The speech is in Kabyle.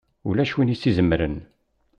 Ulac win i s-izemren!